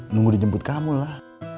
nunggu dijemput kamu lah